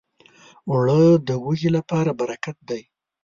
اوړه د وږو لپاره برکت دی